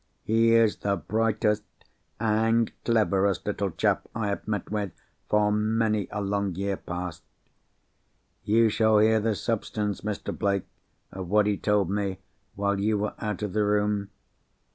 He is the brightest and cleverest little chap I have met with, for many a long year past. You shall hear the substance, Mr. Blake, of what he told me while you were out of the room.